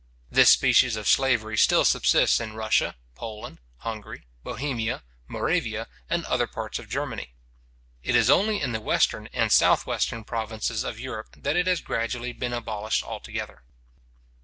This species of slavery still subsists in Russia, Poland, Hungary, Bohemia, Moravia, and other parts of Germany. It is only in the western and south western provinces of Europe that it has gradually been abolished altogether.